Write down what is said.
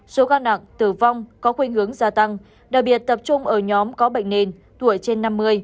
số ca nặng tử vong có khuyên hướng gia tăng đặc biệt tập trung ở nhóm có bệnh nền tuổi trên năm mươi